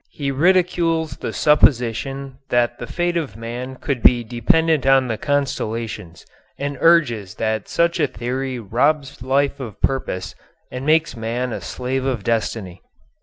He ridicules the supposition that the fate of man could be dependent on the constellations, and urges that such a theory robs life of purpose, and makes man a slave of destiny.